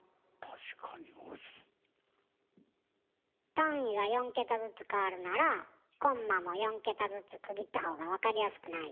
単位が４桁ずつ変わるならコンマも４桁ずつ区切ったほうが分かりやすくない？